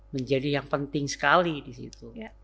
menjadi yang penting sekali di situ